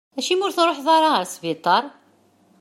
Acimi ur truḥeḍ ara ɣer sbiṭar?